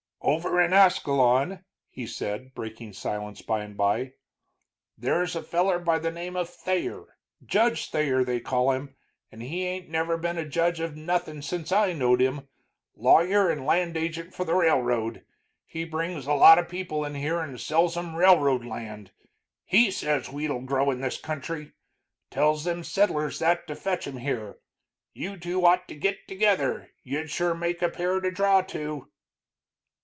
"Over in Ascalon," he said, breaking silence by and by, "there's a feller by the name of Thayer Judge Thayer, they call him, but he ain't never been a judge of nothin' since I've knowed him lawyer and land agent for the railroad. He brings a lot of people in here and sells 'em railroad land. He says wheat'll grow in this country, tells them settlers that to fetch 'em here. You two ought to git together you'd sure make a pair to draw to."